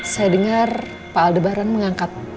saya dengar pak aldebaran mengangkat